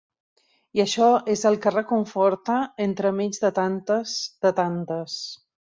I això és el que reconforta entremig de tantes, de tantes…